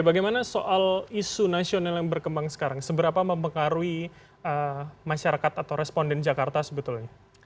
bagaimana soal isu nasional yang berkembang sekarang seberapa mempengaruhi masyarakat atau responden jakarta sebetulnya